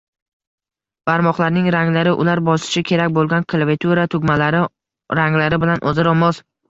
barmoqlarning ranglari ular bosishi kerak bo’lgan klaviatura tugmalari ranglari bilan o’zaro mos